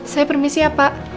saya permisi ya pak